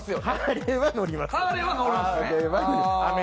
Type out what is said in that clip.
ハーレーは乗るんすね。